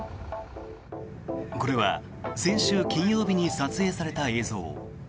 これは先週金曜日に撮影された映像。